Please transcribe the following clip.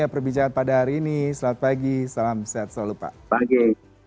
terima kasih pak zulkifli terima kasih pak zulkifli